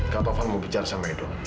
kak taufan mau kejar sama edo